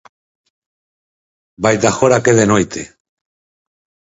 Vaite agora que é de noite.